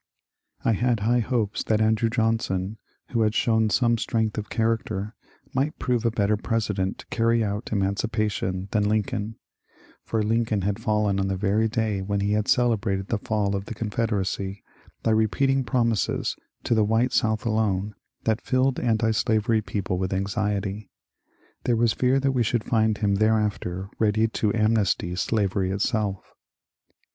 I had high hopes that Andrew Johnson, who had shown some strength of character, might prove a better President to carry out emancipation than Lincoln, for Lin coln had faUen on the very day when he had celebrated the f aU of the Confederacy by repeating promises, to the white South alone, that filled antislavery people with anxiety. There was fear that we should find him thereafter ready to amnesty slavery itself.